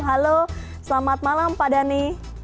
halo selamat malam pak dhani